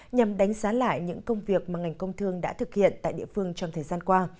nhằm đánh giá lại những công việc mà ngành công thương đã thực hiện tại địa phương trong thời gian qua